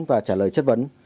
và trả lời chất vấn